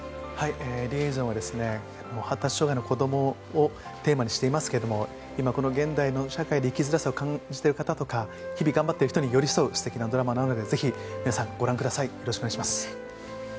「リエゾン」は発達障害の子供をテーマにしていますけれども現代の社会で生きづらさを感じているとか日々頑張っている人に寄り添う素敵なドラマなのでぜひ皆さん、ご覧ください。